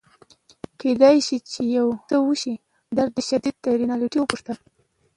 کیدای شي چي یو څه وشي، درد شدید دی؟ رینالډي وپوښتل.